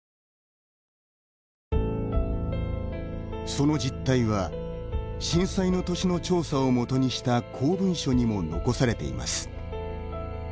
その実態は震災の年の調査をもとにした公文書にも残されています。